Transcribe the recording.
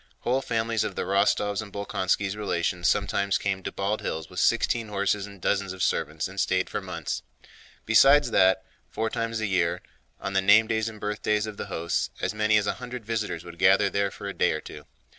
Whole families of the Rostóvs' and Bolkónskis' relations sometimes came to Bald Hills with sixteen horses and dozens of servants and stayed for months. Besides that, four times a year, on the name days and birthdays of the hosts, as many as a hundred visitors would gather there for a day or two.